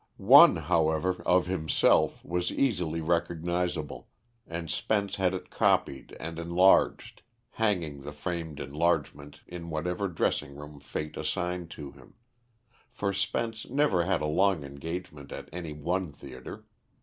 One, however, of himself was easily recognisable, and Spence had it copied and enlarged, hanging the framed enlargement in whatever dressing room fate assigned to him; for Spence never had a long engagement at any one theatre.